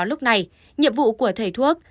lúc này nhiệm vụ của thầy thuốc